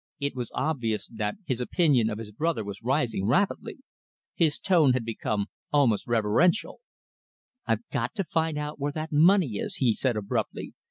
It was obvious that his opinion of his brother was rising rapidly. His tone had become almost reverential. "I've got to find where that money is," he said abruptly.